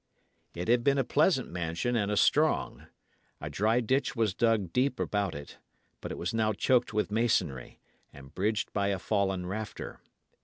It had been a pleasant mansion and a strong. A dry ditch was dug deep about it; but it was now choked with masonry, and bridged by a fallen rafter.